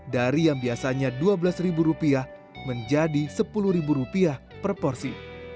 dari yang biasanya dua belas ribu rupiah menjadi sepuluh ribu rupiah per porsi